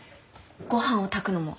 ご飯を炊くのも？